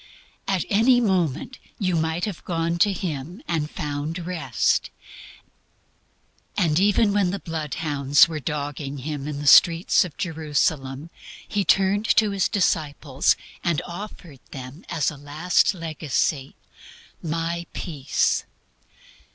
At any moment you might have gone to Him and found Rest. Even when the blood hounds were dogging Him in the streets of Jerusalem, He turned to His disciples and offered them, as a last legacy, "My peace."